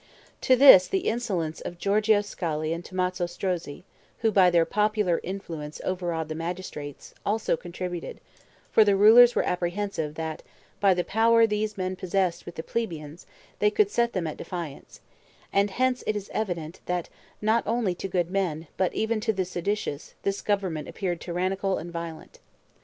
To this the insolence of Giorgio Scali and Tommaso Strozzi (who by their popular influence overawed the magistrates) also contributed, for the rulers were apprehensive that by the power these men possessed with the plebeians they could set them at defiance; and hence it is evident that not only to good men, but even to the seditious, this government appeared tyrannical and violent.